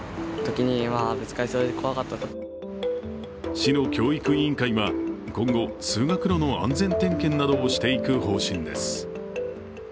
市の教育委員会は今後、通学路の安全点検などをしていく方針です。